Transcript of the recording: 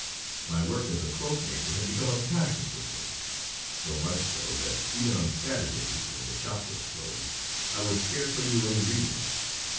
My work as a cloak maker had become a passion with me, so much so that even on Saturdays, when the shop was closed, I would scarcely do any reading.